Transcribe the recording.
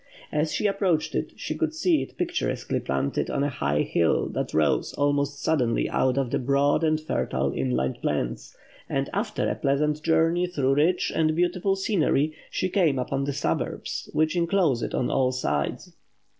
As she approached it, she could see it picturesquely planted on a high hill that rose almost suddenly out of the broad and fertile inland plain; and after a pleasant journey through rich and beautiful scenery, she came upon the suburbs, which enclose it on all sides.